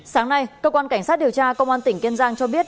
sáng nay cơ quan cảnh sát điều tra công an tỉnh kiên giang cho biết